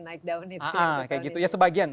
naik down itu ya sebagian